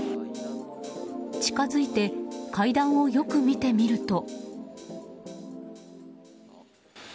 近づいて階段をよく見てみると。